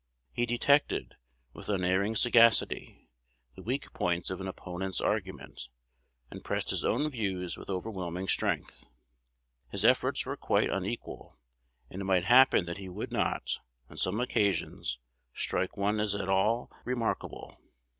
He detected, with unerring sagacity, the weak points of an opponent's argument, and pressed his own views with overwhelming strength. His efforts were quite unequal; and it might happen that he would not, on some occasions, strike one as at all remarkable.